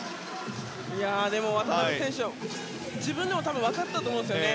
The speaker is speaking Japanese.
渡邊選手、自分でも分かったと思うんですよね。